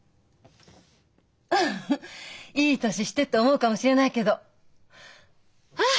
フフッ「いい年して」って思うかもしれないけどはあ